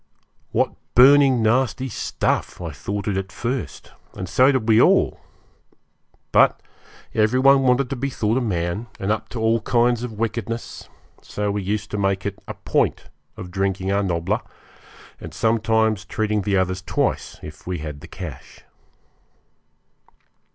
What burning nasty stuff I thought it at first; and so did we all! But every one wanted to be thought a man, and up to all kinds of wickedness, so we used to make it a point of drinking our nobbler, and sometimes treating the others twice, if we had cash.